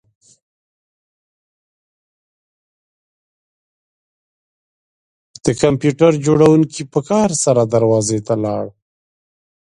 د کمپیوټر جوړونکي په قهر سره دروازې ته لاړ